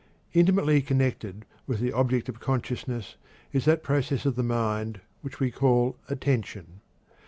Intimately connected with the object of consciousness is that process of the mind which we call "attention."